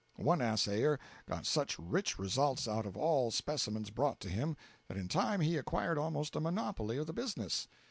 One assayer got such rich results out of all specimens brought to him that in time he acquired almost a monopoly of the business.